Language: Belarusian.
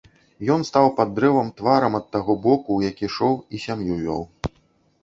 Ён стаў пад дрэвам тварам ад таго боку, у які ішоў і сям'ю вёў.